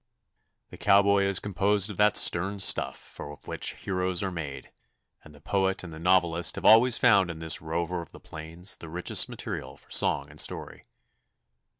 The cowboy is composed of that stern stuff of which heroes are made, and the poet and the novelist have always found in this rover of the plains the richest material for song and story.